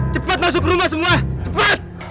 cepat masuk rumah semua cepat